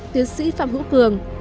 tiến sĩ phạm hữu cường